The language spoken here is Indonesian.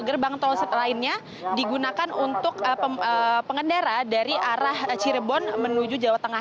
dua gerbang tol setelahnya digunakan untuk pengendara dari arah cirebon menuju jawa tengah